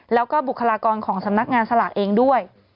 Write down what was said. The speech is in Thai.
แล้วก็บุคลากรของสำนักงานสลากเองด้วย